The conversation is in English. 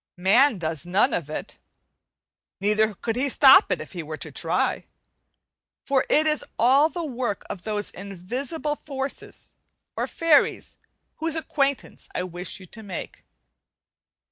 Man does none of it, neither could he stop it if he were to try; for it is all the work of those invisible forces or fairies whose acquaintance I wish you to make.